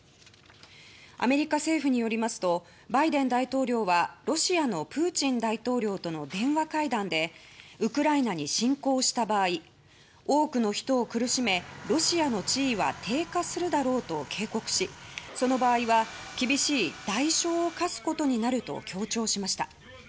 アメリカ政府によりますとバイデン大統領はロシアのプーチン大統領との電話会談でウクライナに侵攻した場合多くの人を苦しめロシアの地位は低下するだろうと警告しその場合は厳しい代償を科すことになると強調しました。